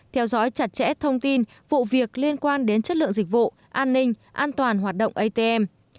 theo dõi chặt chẽ thông tin vụ việc liên quan đến chất lượng dịch vụ an ninh an toàn hoạt động atm